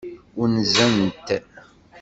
Unzent.